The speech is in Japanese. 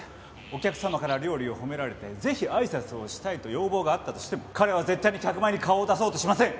お客様から料理を褒められてぜひあいさつをしたいと要望があったとしても彼は絶対に客前に顔を出そうとしません！